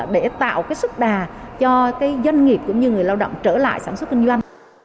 để tạo cái sức đà cho doanh nghiệp cũng như người lao động trở lại sản xuất kinh doanh